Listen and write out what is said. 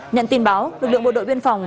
nhận tin báo lực lượng bộ đội biên phòng